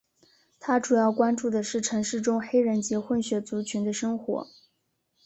他主要关注的是城市中黑人及混血族群的生活。